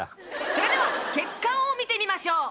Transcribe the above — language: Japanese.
それでは結果を見てみましょう。